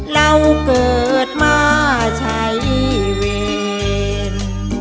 เราเกิดมาใช้เวร